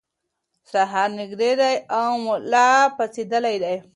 سهار نږدې دی او ملا پاڅېدلی دی.